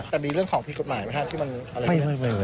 แต่นี่เรื่องของผิดกฎหมายไหมครับ